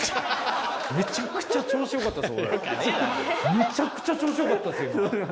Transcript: めちゃくちゃ調子良かったっす今。